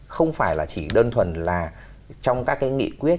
không phải là chỉ đơn thuần là trong các cái nghị quyết